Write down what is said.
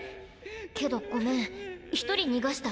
けどごめん１人逃がした。